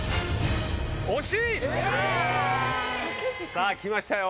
さぁきましたよ。